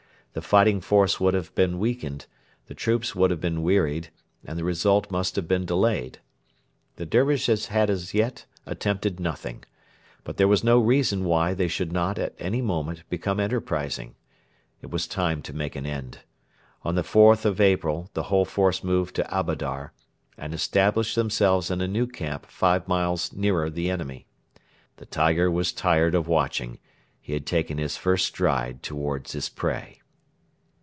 The fighting force would have been weakened, the troops have been wearied, and the result must have been delayed. The Dervishes had as yet attempted nothing. But there was no reason why they should not at any moment become enterprising. It was time to make an end. On the 4th of April the whole force moved to Abadar, and established themselves in a new camp five miles nearer the enemy. The tiger was tired of watching: he had taken his first stride towards his prey.